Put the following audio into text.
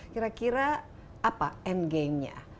kira kira apa end gamenya